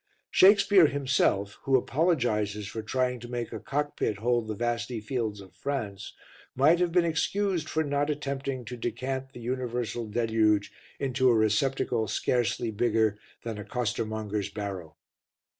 Shakespeare himself, who apologizes for trying to make a cockpit hold the vasty fields of France, might have been excused for not attempting to decant The Universal Deluge into a receptacle scarcely bigger than a costermonger's barrow.